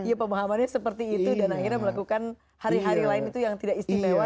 ya pemahamannya seperti itu dan akhirnya melakukan hari hari lain itu yang tidak istimewa